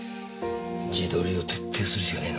地取りを徹底するしかねえな。